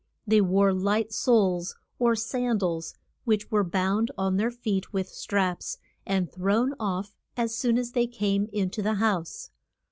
They wore light soles, or san dals, which were bound on their feet with straps, and thrown off as soon as they came in to the house.